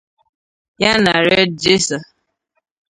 ya na Raed Jaser